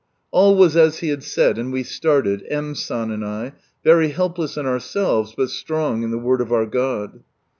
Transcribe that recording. All was as He had said, and we started, M. San and 1, very helpless in ourselves, but strong in the Word of our God.